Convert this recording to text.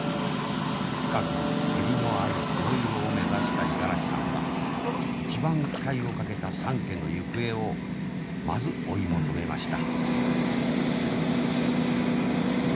深く照りのある黒色を目指した五十嵐さんは一番期待をかけた三色の行方をまず追い求めました。